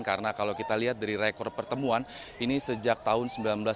karena kalau kita lihat dari rekor pertemuan ini sejak tahun seribu sembilan ratus lima puluh tujuh